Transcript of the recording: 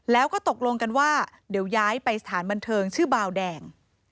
แล้วก็ตกลงกันว่าเดี๋ยวย้ายไปสถานบันเทิงชื่อบาวแดง